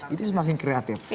ini semakin kreatif